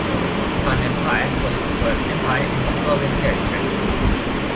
Hun empire was the first empire in Mongolian territory.